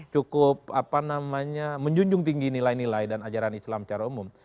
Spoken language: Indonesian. cukup menjunjung tinggi nilai nilai dan ajaran islam secara umum